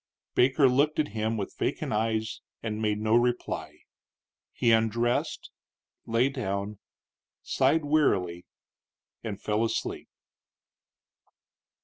Baker looked at him with vacant eyes and made no reply. He undressed, lay down, sighed wearily, and fell asleep.